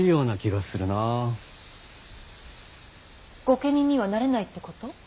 御家人にはなれないってこと？